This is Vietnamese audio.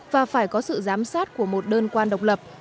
và phải có sự giám sát của một đơn quan độc lập